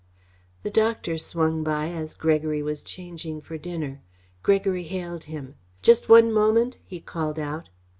The doctor swung by as Gregory was changing for dinner. Gregory hailed him. "Just one moment," he called out.